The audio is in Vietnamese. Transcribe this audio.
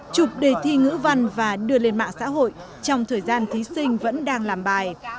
chụp đề thi ngữ văn và đưa lên mạng xã hội trong thời gian thí sinh vẫn đang làm bài